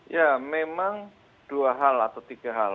ya memang dua hal atau tiga hal